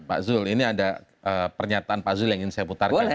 pak zul ini ada pernyataan pak zul yang ingin saya putarkan